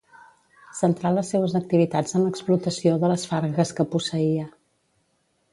Centrà les seues activitats en l'explotació de les fargues que posseïa.